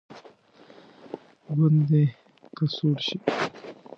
ګوندې که سوړ شي.